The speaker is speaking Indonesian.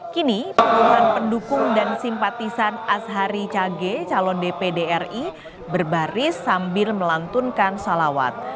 kini puluhan pendukung dan simpatisan ashari cage calon dpd ri berbaris sambil melantunkan salawat